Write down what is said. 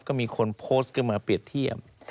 ก็มีคนโพสต์ขึ้นมาเปรียบเทียบ